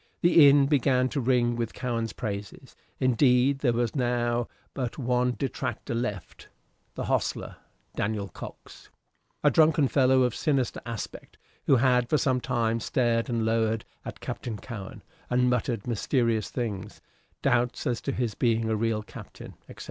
The inn began to ring with Cowen's praises. Indeed, there was now but one detractor left the hostler, Daniel Cox, a drunken fellow of sinister aspect, who had for some time stared and lowered at Captain Cowen, and muttered mysterious things, doubts as to his being a real captain, etc.